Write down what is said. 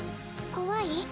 怖い？